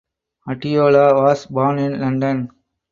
Adeola was born in London.